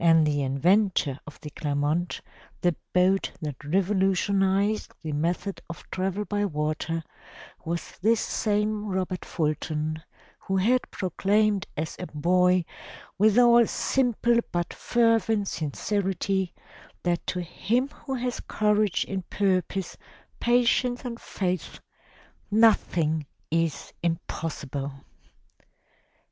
And the inventor of the Clermont, the boat that revolutionized the method of travel by water, was this same Robert Fulton, who had proclaimed as a boy with all simple but fervent sincerity, that to him who has courage and purpose, patience and faith, nothing is impossible."